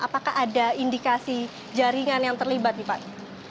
apakah ada indikasi jaringan yang terlibat nih pak